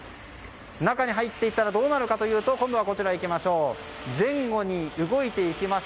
中に入っていってどうなるかというと今度はこちらです。